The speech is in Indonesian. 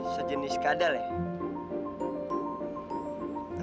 sejenis kadal ya